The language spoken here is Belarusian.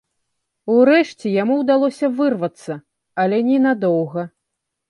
Урэшце яму ўдалося вырвацца, але ненадоўга.